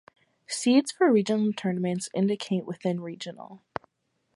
Seeds for regional tournaments indicate seeds within regional.